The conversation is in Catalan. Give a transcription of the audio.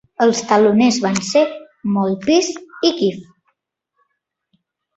Els teloners van ser Mouthpiece i Give.